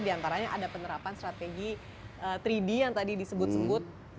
di antaranya ada penerapan strategi tiga d yang tadi disebut sebut